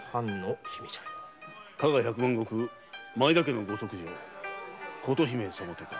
加賀百万石・前田家のご息女琴姫様とか。